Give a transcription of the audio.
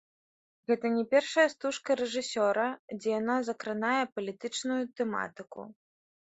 Гэта не першая стужка рэжысёра, дзе яна закранае палітычную тэматыку.